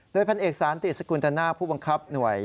โดยพันธุ์เอกสารติดสกุลทางหน้าผู้บังคับหน่วย